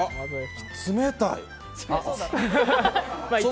冷たい。